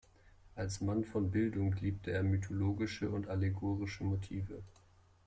Als Mann von Bildung liebte er mythologische und allegorische Motive.